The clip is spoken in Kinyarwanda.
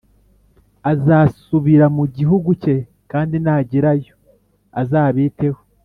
azasubira mu gihugu cye kandi nagerayo azabiteho